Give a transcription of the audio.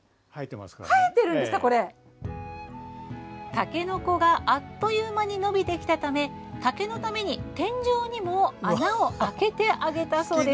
たけのこがあっという間に伸びてきたため竹のために、天井にも穴を開けてあげたそうです。